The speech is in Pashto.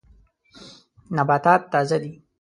نباتات تازه دي.